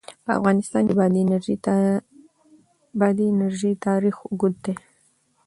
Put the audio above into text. په افغانستان کې د بادي انرژي تاریخ اوږد دی.